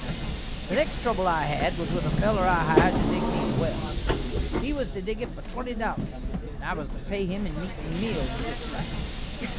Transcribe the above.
The next trubble I had was with a feller I hired to dig me a well. He was to dig it for twenty dollers, and I was to pay him in meat and meal, and sich like.